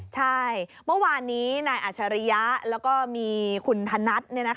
ใช่เมื่อวานนี้นายอัชริยะแล้วก็มีคุณธนัท